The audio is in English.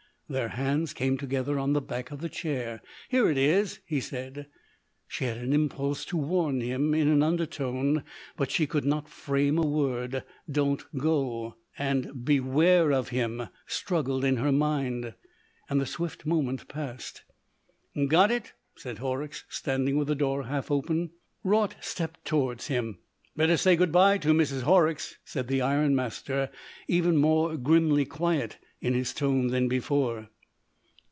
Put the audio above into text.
Their hands came together on the back of the chair. "Here it is!" he said. She had an impulse to warn him in an undertone, but she could not frame a word. "Don't go!" and "Beware of him!" struggled in her mind, and the swift moment passed. "Got it?" said Horrocks, standing with the door half open. Raut stepped towards him. "Better say good bye to Mrs. Horrocks," said the ironmaster, even more grimly quiet in his tone than before.